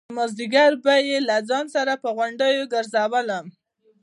نو مازديگر به يې له ځان سره پر غونډيو گرځولم.